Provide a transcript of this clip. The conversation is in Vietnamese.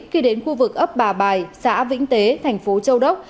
khi đến khu vực ấp bà bài xã vĩnh tế thành phố châu đốc